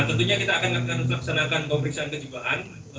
nah tentunya kita akan melaksanakan pemeriksaan kecewaan